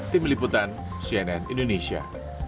tim liputan cnn indonesia